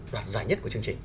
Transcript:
đoạt giải nhất của chương trình